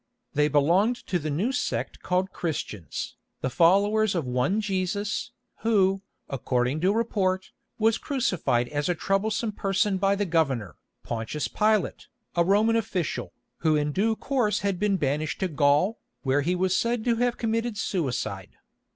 They belonged to the new sect called Christians, the followers of one Jesus, who, according to report, was crucified as a troublesome person by the governor, Pontius Pilate, a Roman official, who in due course had been banished to Gaul, where he was said to have committed suicide.